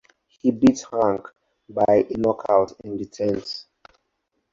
He beat Hank by a knockout in the tenth.